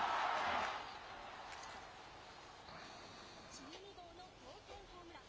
１２号の同点ホームラン。